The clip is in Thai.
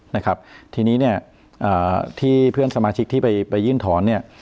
นะครับทีนี้เนี่ยอ่าที่เพื่อนสมาชิกที่ไปไปยื่นถอนเนี่ย